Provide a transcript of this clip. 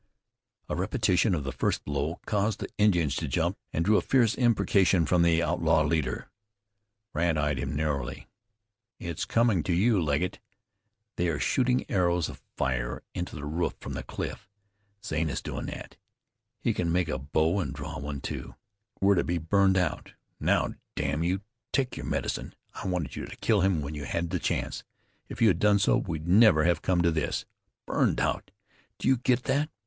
A repetition of the first blow caused the Indians to jump, and drew a fierce imprecation from their outlaw leader. Brandt eyed him narrowly. "It's coming to you, Legget. They are shooting arrows of fire into the roof from the cliff. Zane is doin' that. He can make a bow and draw one, too. We're to be burned out. Now, damn you! take your medicine! I wanted you to kill him when you had the chance. If you had done so we'd never have come to this. Burned out, do you get that?